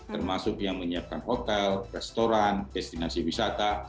termasuk yang menyiapkan hotel restoran destinasi wisata